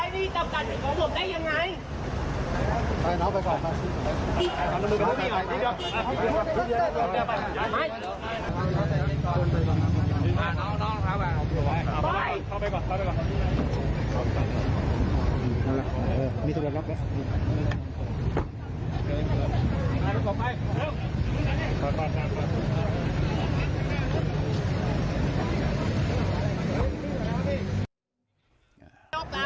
นี่คุณสิทธิ์ของผมแล้วพี่นายนี่จำกัดของผมได้ยังไง